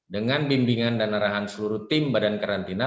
dengan bimbingan dan arahan seluruh tim badan karantina